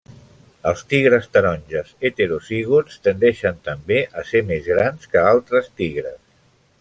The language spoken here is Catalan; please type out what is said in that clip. Els tigres taronges heterozigots tendeixen també a ser més grans que altres tigres.